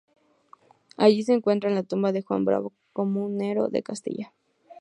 Allí se encuentra la tumba de Juan Bravo, comunero de Castilla.